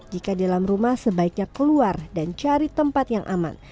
jika di dalam rumah sebaiknya keluar dan cari tempat yang aman